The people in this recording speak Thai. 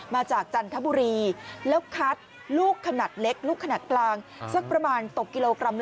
มาจากจันทบุรีแล้วคัดลูกขนาดเล็กลูกขนาดกลาง